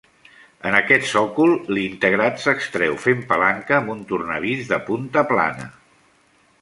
En aquest sòcol, l'integrat s'extreu fent palanca amb un tornavís de punta plana.